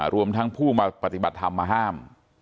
รวมทั้งผู้มาปฏิบัติธรรมมาห้าม